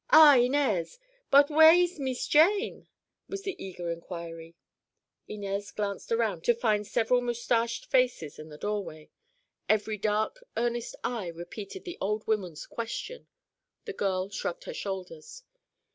"Ah, Inez. But where ees Mees Jane?" was the eager inquiry. Inez glanced around to find several moustached faces in the doorway. Every dark, earnest eye repeated the old woman's question. The girl shrugged her shoulders.